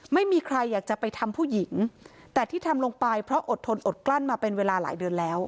ไม่มีใครอยากจะไปทำผู้หญิงแต่ที่ทำลงไปเพราะอดทนอดกลั้นมาเป็นเวลาหลายเดือนแล้ว